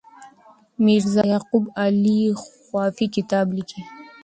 میرزا یعقوب علي خوافي کتاب لیکي.